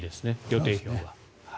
予定表は。